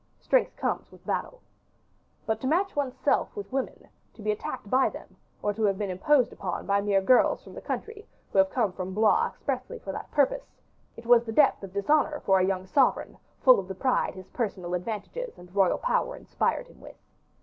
Strength comes with battle. But to match one's self with women, to be attacked by them, to have been imposed upon by mere girls from the country, who had come from Blois expressly for that purpose; it was the depth of dishonor for a young sovereign full of the pride his personal advantages and royal power inspired him with.